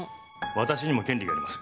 私にも権利があります。